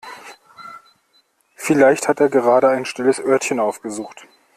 Vielleicht hat er gerade ein stilles Örtchen aufgesucht.